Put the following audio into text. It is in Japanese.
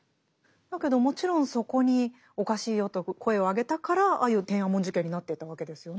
だけどもちろんそこにおかしいよと声を上げたからああいう天安門事件になっていったわけですよね。